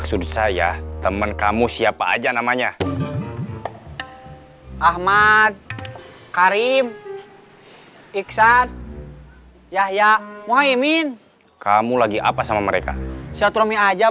sampai jumpa di video selanjutnya